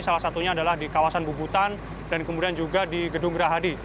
salah satunya adalah di kawasan bubutan dan kemudian juga di gedung gerahadi